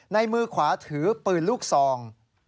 มือขวาถือปืนลูกซอง